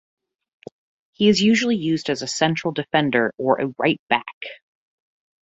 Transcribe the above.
He is usually used as a central defender or a right back.